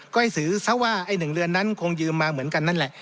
ก็ให้ซื้อซะว่าไอ้๑เดือนนั้นคงยืมมาเหมือนกันนั่นแหละ